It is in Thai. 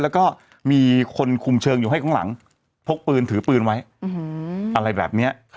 แล้วก็มีคนคุมเชิงอยู่ให้ข้างหลังพกปืนถือปืนไว้อะไรแบบนี้